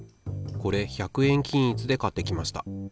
これ１００円均一で買ってきました。